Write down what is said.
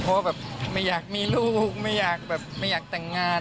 เพราะว่าแบบไม่อยากมีลูกไม่อยากแบบไม่อยากแต่งงาน